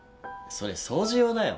それ掃除用だよ。